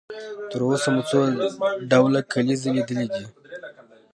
تر اوسه مو څو ډوله کلیزې لیدلې دي؟